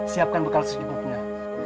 siapkan bekas hidupnya